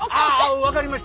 分かりました。